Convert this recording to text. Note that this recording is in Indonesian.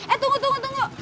eh tunggu tunggu tunggu